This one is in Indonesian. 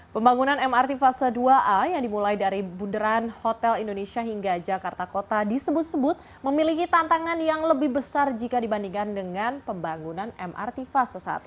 pembangunan mrt fase dua a yang dimulai dari bunderan hotel indonesia hingga jakarta kota disebut sebut memiliki tantangan yang lebih besar jika dibandingkan dengan pembangunan mrt fase satu